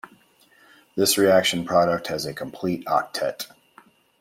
This reaction product has a complete octet.